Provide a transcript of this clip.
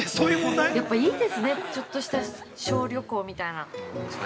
◆やっぱいいですねちょっとした小旅行みたいな。